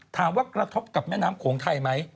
ถามว่ากระทบกับแม่น้ำโขงไทยไหม